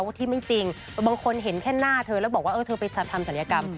ที่ไม่จริงบางคนเห็นแค่หน้าเธอแล้วบอกว่าเออเธอไปทำศัลยกรรม